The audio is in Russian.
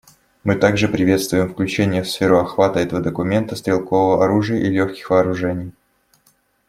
Мы также приветствуем включение в сферу охвата этого документа стрелкового оружия и легких вооружений.